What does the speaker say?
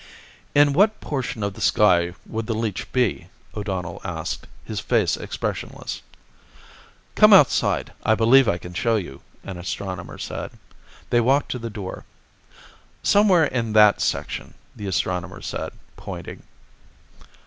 "In what portion of the sky would the leech be?" O'Donnell asked, his face expressionless. "Come outside; I believe I can show you," an astronomer said. They walked to the door. "Somewhere in that section," the astronomer said, pointing.